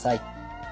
はい。